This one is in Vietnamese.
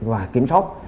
và kiểm soát